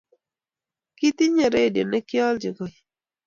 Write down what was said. Kitinyo redio ne kiolji koii